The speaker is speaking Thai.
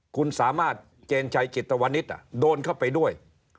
คุณสามารถเจนชัยจิตวนิษฐ์โดนเข้าไปด้วย